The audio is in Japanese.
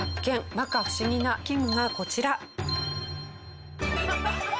摩訶不思議な器具がこちら。